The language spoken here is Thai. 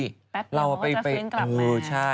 แป๊บต่อมาว่าจะฟื้นกลับมา